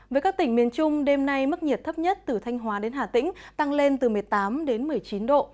với các tỉnh miền trung đêm nay mức nhiệt thấp nhất từ thanh hóa đến hà tĩnh tăng lên từ một mươi tám đến một mươi chín độ